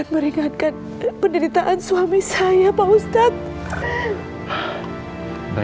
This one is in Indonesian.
tidak ada kuasa dan upaya